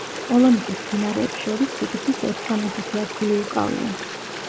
პოლონეთის მდინარეებს შორის სიგრძით ოცდამეხუთე ადგილი უკავია.